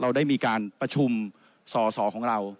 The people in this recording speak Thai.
เราได้มีการประชุมสอสอของเรา